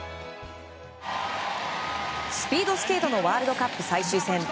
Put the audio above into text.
スピードスケートのワールドカップ最終戦。